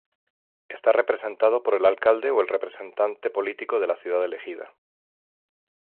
Está representado por el alcalde o el representante político de la ciudad elegida.